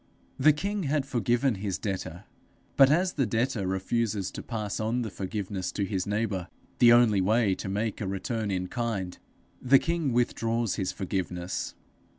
The king had forgiven his debtor, but as the debtor refuses to pass on the forgiveness to his neighbour the only way to make a return in kind the king withdraws his forgiveness.